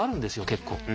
結構。